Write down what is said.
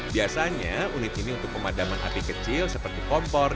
biasanya unit ini untuk pemadaman api kecil seperti kompor